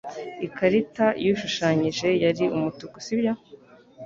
Ikarita washushanyije yari umutuku, sibyo?